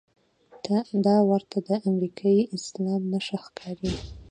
دا ورته د امریکايي اسلام نښه ښکاري.